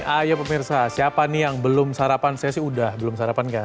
ayo pemirsa siapa nih yang belum sarapan saya sih udah belum sarapan gak